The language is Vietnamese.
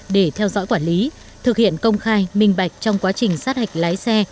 để theo dõi quản lý thực hiện công khai minh bạch trong quá trình sát hạch lái xe